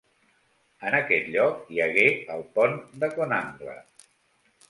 En aquest lloc hi hagué el Pont de Conangle.